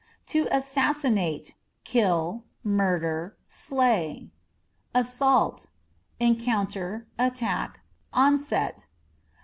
To Assassinate â€" kill, murder, slay. Assaultâ€" encounter, attack, onset.